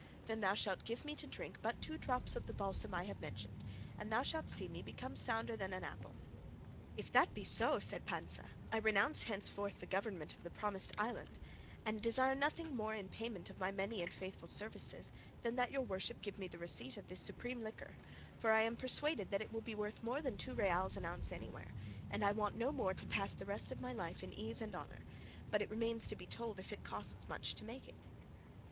Then thou shalt give me to drink but two drops of the balsam I have mentioned, and thou shalt see me become sounder than an apple." "If that be so," said Panza, "I renounce henceforth the government of the promised island, and desire nothing more in payment of my many and faithful services than that your worship give me the receipt of this supreme liquor, for I am persuaded it will be worth more than two reals an ounce anywhere, and I want no more to pass the rest of my life in ease and honour; but it remains to be told if it costs much to make it."